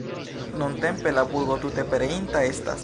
Nuntempe la burgo tute pereinta estas.